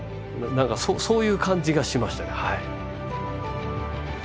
何かそういう感じがしましたね。